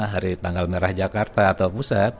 hari tanggal merah jakarta atau pusat